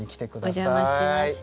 お邪魔しました。